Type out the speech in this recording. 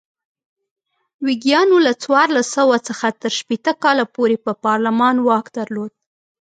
ویګیانو له څوارلس سوه څخه تر شپېته کاله پورې پر پارلمان واک درلود.